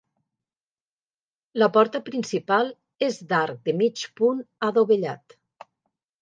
La porta principal és d'arc de mig punt adovellat.